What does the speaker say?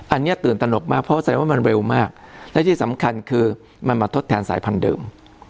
อันนี้ตื่นตนกมากเพราะเข้าใจว่ามันเร็วมากและที่สำคัญคือมันมาทดแทนสายพันธุ์เดิม